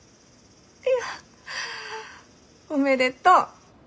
いやおめでとう。